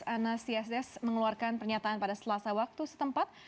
anas css mengeluarkan pernyataan pada selasa waktu setempat